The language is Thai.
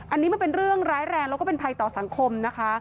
อันนี้มันเป็นเรื่องร้ายแรงแล้วก็เป็นภัยต่อสังคมนะคะ